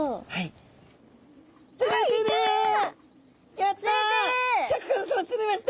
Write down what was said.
やった！